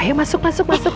ayo masuk masuk masuk